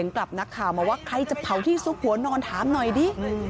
กลับนักข่าวมาว่าใครจะเผาที่ซุกหัวนอนถามหน่อยดิ